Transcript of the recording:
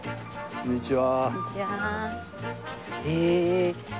こんにちは。